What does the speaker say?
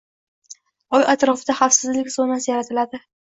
Oy atrofida xavfsizlik zonasi yaratiladi.